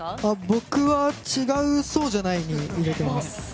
僕は「違う、そうじゃない」に入れています。